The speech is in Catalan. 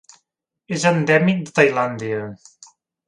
És endèmic de Tailàndia.